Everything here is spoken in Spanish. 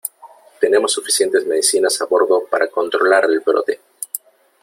tenemos suficientes medicinas a bordo para controlar el brote .